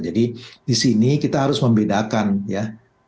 jadi di sini kita harus membedakan ya